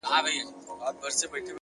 او د بت سترگي يې ښې ور اب پاشي کړې-